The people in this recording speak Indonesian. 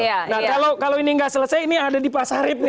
nah kalau ini gak selesai ini ada di pak sarip nih